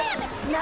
何！？